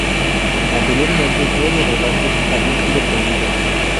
Anteriormente todos los rodajes habían sido prohibidos.